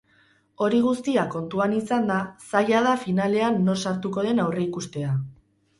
Hori guztia kontuan izanda, zaila da finalean nor sartuko den aurreikustea.